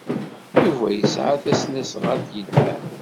Yuba yesɛa tasnasɣalt yelhan.